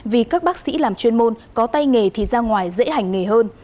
vì các bác sĩ làm chuyên môn có tay nghề thì ra ngoài dễ hành nghề hơn